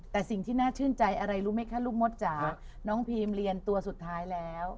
แต่สิ่งที่น่าชื่นใจอะไรรู้ไหมคะลูกมดจ๋าน้องพีมเรียนตัวสุดท้ายแล้ว